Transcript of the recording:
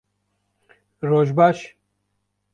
- Roj baş.